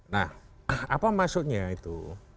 nah apa maksudnya itu